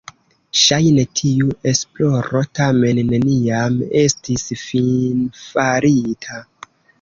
Ŝajne tiu esploro tamen neniam estis finfarita.